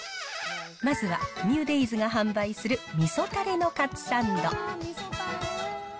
まずはニューデイズが販売するみそたれのカツサンド。